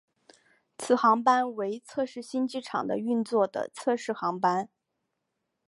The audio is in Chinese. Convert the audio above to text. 此航班为测试新机场的运作的测试航班。